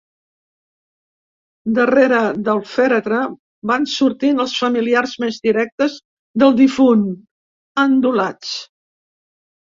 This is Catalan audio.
Darrere del fèretre van sortint els familiars més directes del difunt, endolats.